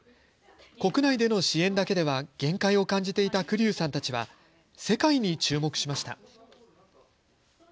国内での支援だけでは限界を感じていた栗生さんたちは、世界に注目しました。